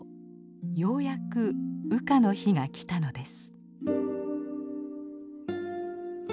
ようやく羽化の日が来たのです。